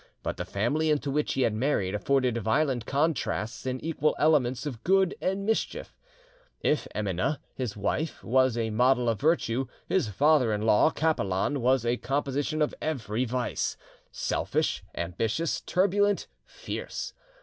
But the family into which he had married afforded violent contrasts and equal elements of good and mischief. If Emineh, his wife, was a model of virtue, his father in law, Capelan, was a composition of every vice—selfish, ambitious, turbulent, fierce.